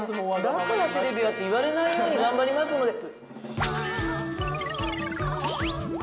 「だからテレビは」って言われないように頑張りますので。